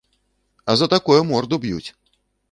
А за такое морду б'юць.